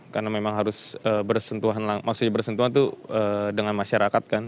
karena memang harus bersentuhan maksudnya bersentuhan tuh dengan masyarakat kan